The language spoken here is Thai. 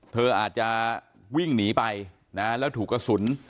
เธออาจจะวิ่งหนีไปนะแล้วถูกกระสุน